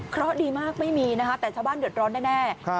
เพราะดีมากไม่มีนะคะแต่ชาวบ้านเดือดร้อนแน่